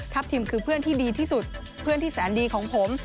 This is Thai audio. ทิมคือเพื่อนที่ดีที่สุดเพื่อนที่แสนดีของผม